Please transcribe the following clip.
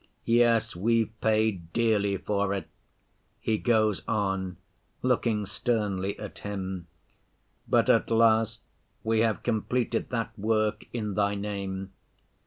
'Yes, we've paid dearly for it,' he goes on, looking sternly at Him, 'but at last we have completed that work in Thy name.